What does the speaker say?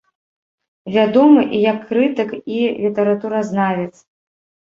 Вядомы і як крытык і літаратуразнавец.